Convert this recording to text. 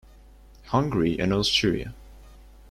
Hungary and Austria.